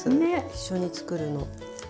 一緒に作るの。